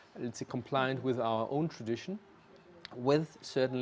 agar mereka bisa berkelanjutan dengan tradisi kita sendiri